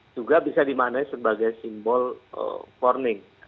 juga bisa dimaknai sebagai simbol warning